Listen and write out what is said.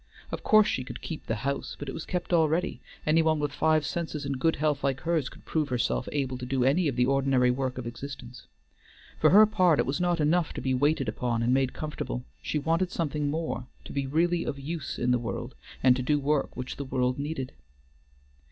Of course she could keep the house, but it was kept already; any one with five senses and good health like hers could prove herself able to do any of the ordinary work of existence. For her part it was not enough to be waited upon and made comfortable, she wanted something more, to be really of use in the world, and to do work which the world needed.